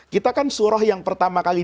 kita kan surah yang pertama kali